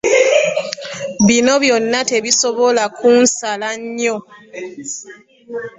Bino byona tebisobola kunsala nnyo.